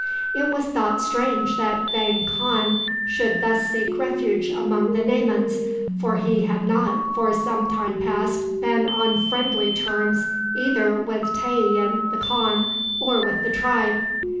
It was thought strange that Vang Khan should thus seek refuge among the Naymans, for he had not, for some time past, been on friendly terms either with Tayian, the khan, or with the tribe.